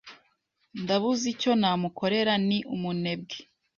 Ndabuze icyo namukorera. Ni umunebwe.